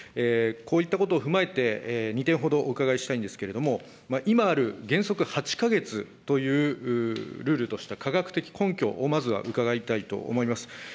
こういったことを踏まえて、２点ほど、お伺いしたいんですけれども、今ある、原則８か月というルールとした科学的根拠を、まずは伺いたいと思います。